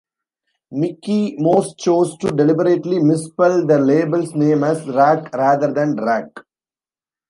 Mickie Most chose to deliberately misspell the label's name as 'Rak' rather than 'Rack'.